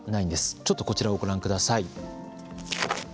ちょっと、こちらをご覧ください。